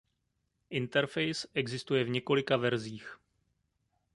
Interface existuje v několika verzích.